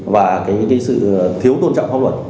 và sự thiếu tôn trọng pháp luật